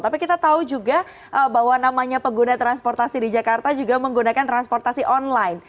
tapi kita tahu juga bahwa namanya pengguna transportasi di jakarta juga menggunakan transportasi online